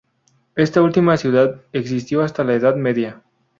Esta última ciudad existió hasta la Edad Media.